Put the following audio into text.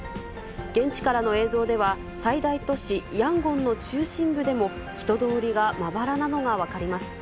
現地からの映像では、最大都市ヤンゴンの中心部でも、人通りがまばらなのが分かります。